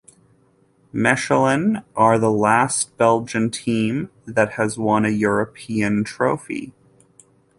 Mechelen are the last Belgian team that has won a European trophy.